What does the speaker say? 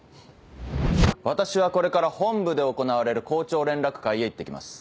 私はこれから本部で行われる校長連絡会へ行って来ます。